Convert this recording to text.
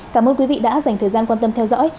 cảm ơn quý vị đã dành thời gian quan tâm theo dõi